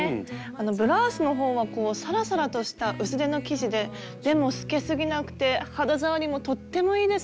ブラウスのほうはサラサラとした薄手の生地ででも透けすぎなくて肌触りもとってもいいです。